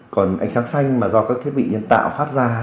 còn ánh sáng xanh mà do các thiết bị nhân tạo phát ra